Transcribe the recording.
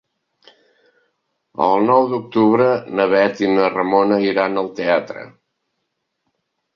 El nou d'octubre na Bet i na Ramona iran al teatre.